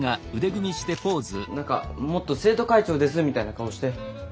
何かもっと「生徒会長です」みたいな顔して。